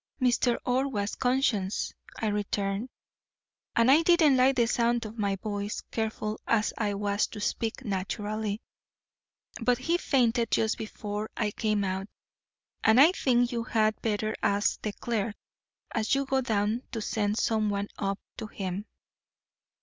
'Mr. Orr was conscious,' I returned, and I didn't like the sound of my own voice, careful as I was to speak naturally, ' but he fainted just before I came out, and I think you had better ask the clerk as you go down to send someone up to him.'